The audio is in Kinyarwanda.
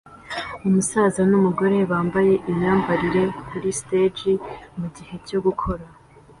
Umusaza numugore bambaye imyambarire kuri stage mugihe cyo gukora